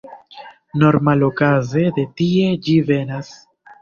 Normalokaze de tie ĝi venas.